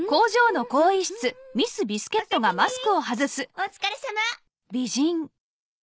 お疲れさま！